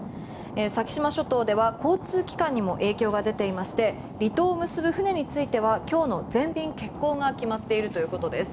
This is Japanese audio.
先島諸島では交通機関にも影響が出ていまして離島を結ぶ船については今日の全便欠航が決まっているということです。